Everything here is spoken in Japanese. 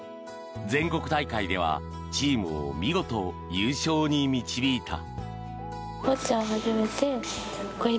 全国大会ではチームを見事、優勝に導いた。